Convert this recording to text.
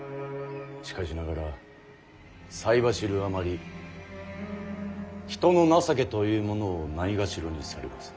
しかしながら才走るあまり人の情けというものをないがしろにされます。